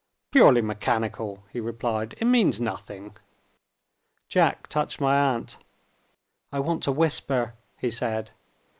"Purely mechanical," he replied. "It means nothing." Jack touched my aunt. "I want to whisper," he said.